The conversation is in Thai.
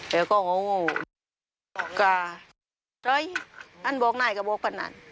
แต่ก็โง่โง่บอกไอ้เลยอันบอกนายก็บอกพะนัน